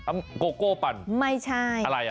ไม่ใช่